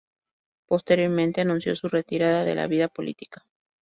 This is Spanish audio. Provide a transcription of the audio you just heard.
Posteriormente anunció su retirada de la vida política.